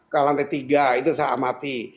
ke lantai tiga itu saya amati